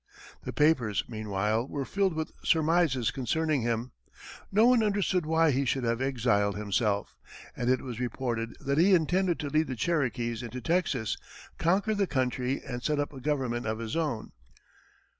The papers, meanwhile, were filled with surmises concerning him. No one understood why he should have exiled himself, and it was reported that he intended to lead the Cherokees into Texas, conquer the country and set up a government of his own.